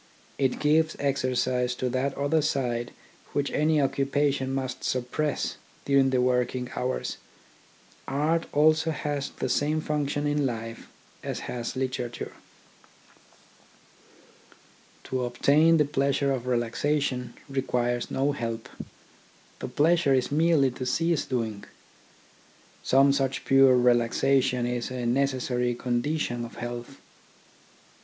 It gives exercise to that other side which any occupation must suppress during the working hours. Art also has the same function in life as has literature. To obtain the pleasure of relaxation requires no help. The pleasure is merely to cease doing. Some such pure relaxation is a necessary condi tion of health.